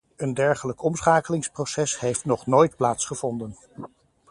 Een dergelijk omschakelingsproces heeft nog nooit plaatsgevonden.